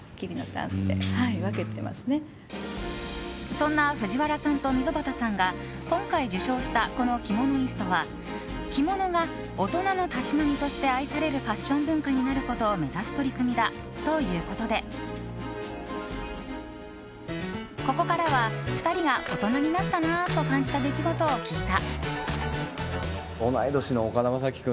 そんな藤原さんと溝端さんが今回、受賞したこのキモノイストは、着物が大人のたしなみとして愛されるファッション文化になることを目指す取り組みだということでここからは２人が大人になったなと感じた出来事を聞いた。